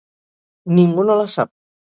Ningú no la sap.